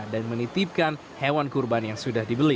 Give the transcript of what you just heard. dan menitipkan hewan kurban yang sudah dibeli